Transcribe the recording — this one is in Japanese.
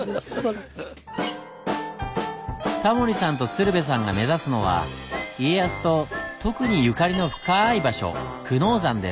タモリさんと鶴瓶さんが目指すのは家康と特にゆかりのふかい場所久能山です。